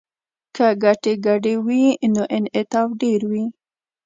که ګټې ګډې وي نو انعطاف ډیر وي